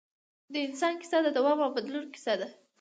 د انسان کیسه د دوام او بدلون کیسه ده.